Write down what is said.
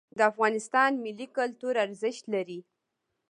د افغانستان ملي کلتور ارزښت لري.